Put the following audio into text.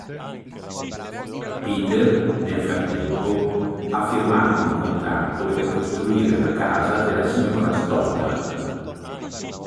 Peter, nel frattempo, ha firmato un contratto per costruire la casa della signora Stoddard.